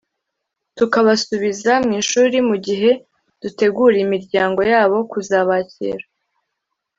tukabasubiza mu ishuri mu gihe dutegura imiryango yabo kuzabakira